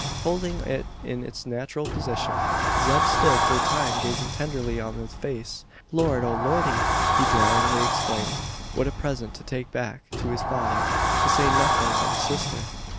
Holding it in its natural position, Zeb stood for a time gazing tenderly on the face. "Lord, O Lordy!" he drawlingly exclaimed, "what a present to take back to his father, to say nothin' o' the sister!